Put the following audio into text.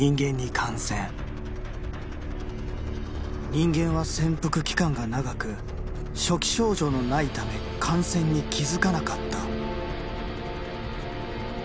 人間は潜伏期間が長く初期症状のないため感染に気付かなかった。